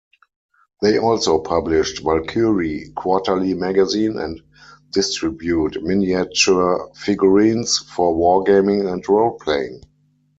They also published Valkyrie Quarterly magazine and distribute miniature figurines for wargaming and role-playing.